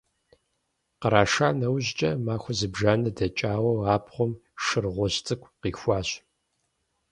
Къраша нэужькӀэ, махуэ зыбжанэ дэкӀауэ, абгъуэм шыр гъуэжь цӀыкӀу къихуащ.